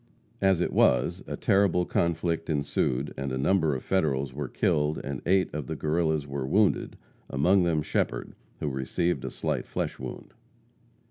As it was, a terrible conflict ensued, and a number of Federals were killed and eight of the Guerrillas were wounded, among them Shepherd, who received a slight flesh wound.